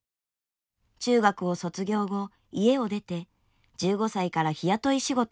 中学を卒業後家を出て１５歳から日雇い仕事を転々とします。